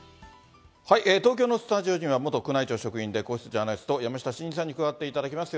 東京のスタジオには、元宮内庁職員で、皇室ジャーナリスト、山下晋司さんに加わっていただきます。